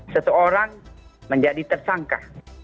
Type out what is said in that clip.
satu orang menjadi tersangka